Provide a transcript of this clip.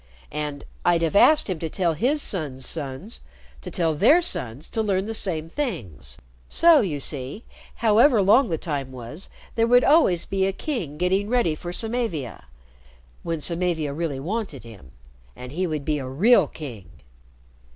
And I'd have asked him to tell his son's sons to tell their sons to learn the same things. So, you see, however long the time was, there would always be a king getting ready for Samavia when Samavia really wanted him. And he would be a real king."